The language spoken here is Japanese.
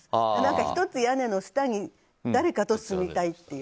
１つ屋根の下に誰かと住みたいっていう。